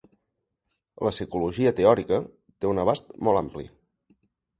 La psicologia teòrica té un abast molt ampli.